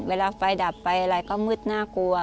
เวลาไฟดับไฟอะไรก็มืดน่ากลัว